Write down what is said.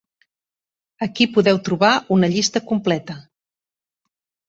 Aquí podeu trobar una llista completa.